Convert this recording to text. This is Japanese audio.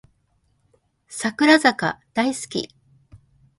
櫻坂大好き